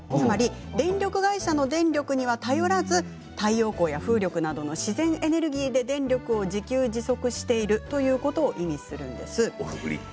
電力会社の電力に頼らず太陽光や風力など自然エネルギーで電力を自給自足していることを意味するんです。